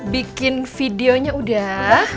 bikin videonya udah